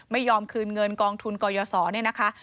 ไม่ยอมคืนเงินกองทุนกยศรเนี่ยนะคะ